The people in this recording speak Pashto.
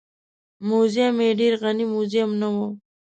موزیم یې ډېر غني موزیم نه و.